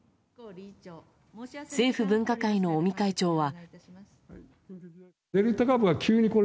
政府分科会の尾身会長は。